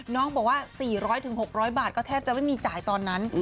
น้องบอกว่า๔๐๐๖๐๐บาทก็แทบจะไม่มีจ่ายตอนนั้น